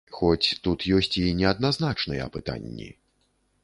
Хоць тут ёсць і неадназначныя пытанні.